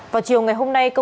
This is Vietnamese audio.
vào chiều ngày hôm nay